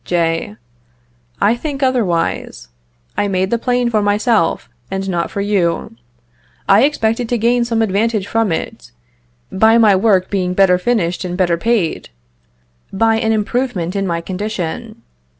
J. I think otherwise. I made the plane for myself, and not for you. I expected to gain some advantage from it, by my work being better finished and better paid, by an improvement in my condition.